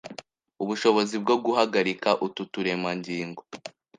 ubushobozi bwo guhagarika utu turemangingo